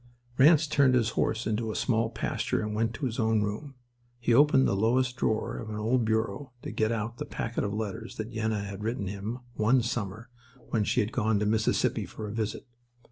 Ranse turned his horse into the small pasture and went to his own room. He opened the lowest drawer of an old bureau to get out the packet of letters that Yenna had written him one summer when she had gone to Mississippi for a visit.